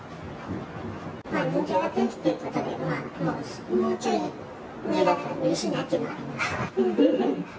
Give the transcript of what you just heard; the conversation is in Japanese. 人気が上がっているってことで、もうちょい上だったらうれしいなっていうのはありますが。